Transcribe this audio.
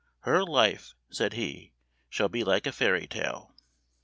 "Her life," said he, "shall be like a fairy tale."